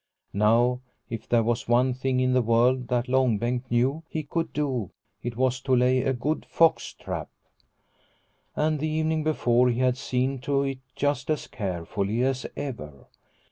Now, if there was one thing in the world that Long Bengt knew he could do it was to lay a good fox trap. And the evening before he had seen to it just as carefully as ever.